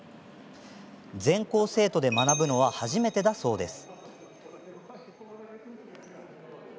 全校生徒で学ぶのは初めてだそうです。